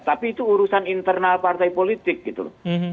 tapi itu urusan internal partai politik gitu loh